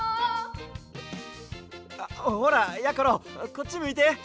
あっほらやころこっちむいて。